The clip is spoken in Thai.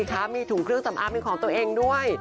นี่ดูสิคะมีถุงเครื่องสำอาบเป็นของตัวเองด้วย